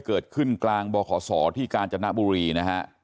เกิดขึ้นกลางบขสที่กาลจัดหน้าบุรีนะครับ